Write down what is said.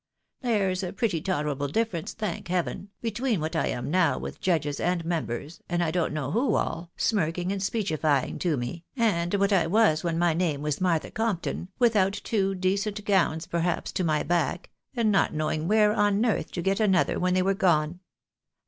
There's a pretty tolerable difference, thank heaven ! between what I am now with judges and members, and I don't know who all, smirking and speechifying to me, and what I was when my name was Martha Compton, without two decent gowns perhaps to my back, and not knowing where on earth to get another when they were gone